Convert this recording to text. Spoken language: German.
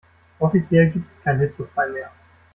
Offiziell gibt es kein hitzefrei mehr.